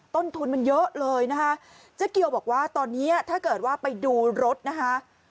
ต้นทุนมันเยอะเลยนะคะเจ๊เกียวบอกว่าตอนนี้ถ้าเกิดว่าไปดูรถนะคะ